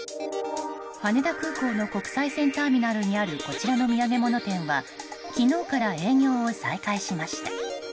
羽田空港の国際線ターミナルにあるこちらの土産物店は昨日から営業を再開しました。